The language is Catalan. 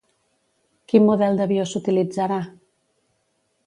Quin model d'avió s'utilitzarà?